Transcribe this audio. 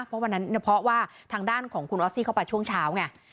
เพราะวันนั้นเพราะว่าทางด้านของคุณออสซี่เข้าไปช่วงเช้าไง